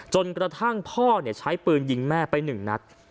จนกระทั่งพ่อใช้ปืนยิงแม่ไปหนึ่งนัด